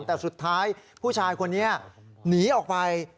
แต่สุดท้ายผู้ชายคนนี้หนีออกไป